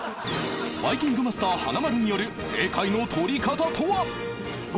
バイキングマスター華丸による正解の取り方とは？